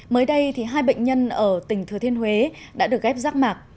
mới đây thì hai bệnh nhân ở tỉnh thừa thiên huế đã được ghép rác mạc